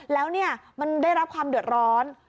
แล้วเนี่ยมันได้รับความเดือดร้อน